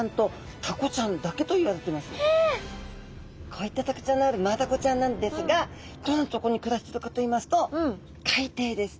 こういったとくちょうのあるマダコちゃんなんですがどんなとこに暮らしてるかといいますと海底です。